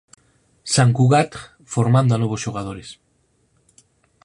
Sant Cugat formando a novos xogadores.